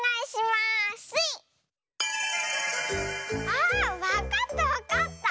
あわかったわかった！